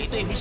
dia itu ini